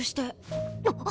あっ。